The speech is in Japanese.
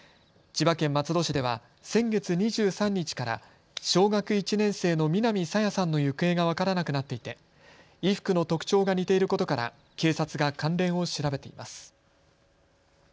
千葉県松戸市では先月２３日から小学１年生の南朝芽さんの行方が分からなくなっていて衣服の特徴が似ていることから警察が関連を調べています。